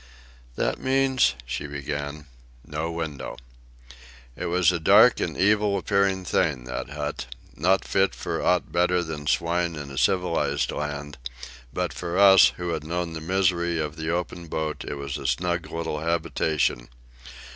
"That means—" she began. "No window." It was a dark and evil appearing thing, that hut, not fit for aught better than swine in a civilized land; but for us, who had known the misery of the open boat, it was a snug little habitation.